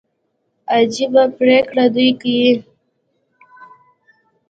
عجبه پرېکړي دوى کيي.